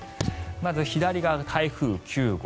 まず左側が台風９号